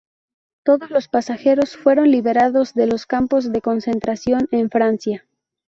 Todos los pasajeros fueron liberados de los campos de concentración en Francia.